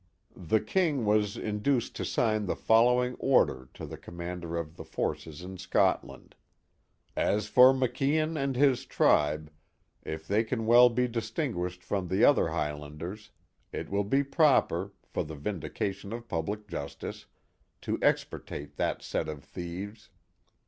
TliL king was induced to sign the following order to the commander of the forces in Scotland: "As for Maclan and his tribe, if they can well be distinguished from the other Highlanders, it will be proper, for the vindication of public justice, to extirpate that set of thieves."